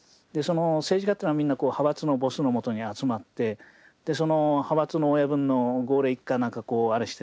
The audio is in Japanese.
政治家っていうのはみんな派閥のボスのもとに集まってその派閥の親分の号令一下なんかこうあれしてねいざ自民党総裁